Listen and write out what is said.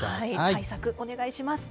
対策お願いします。